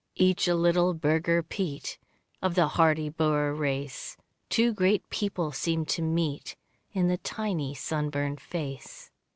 Each a little Burgher Piet Of the hardy Boer race, Two great peoples seem to meet In the tiny sunburned face.